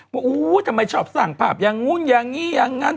อู้ทำไมชอบสร้างภาพอย่างนู้นอย่างนี้อย่างนั้น